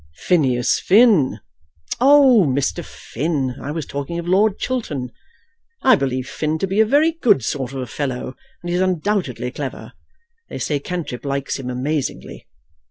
"Phineas Finn." "Oh, Mr. Finn. I was talking of Lord Chiltern. I believe Finn to be a very good sort of a fellow, and he is undoubtedly clever. They say Cantrip likes him amazingly.